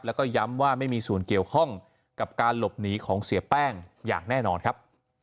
แล้วก็ย้ำว่าไม่มีส่วนเกี่ยวข้องกับการหลบหนีของเสียแป้งอย่างแน่นอนครับ